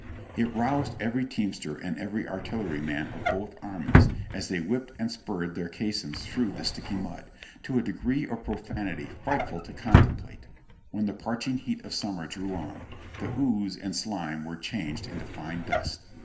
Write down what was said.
It roused every teamster and every artillery man of both armies, as they whipped and spurred then caissons through the sticky mud, to a degree of profanity frightful to con template. When the parching heat of summer drew on, the ooze and slime were changed into fine dust.